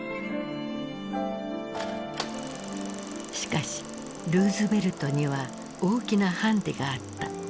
しかしルーズベルトには大きなハンデがあった。